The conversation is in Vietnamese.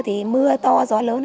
thì mưa to gió lớn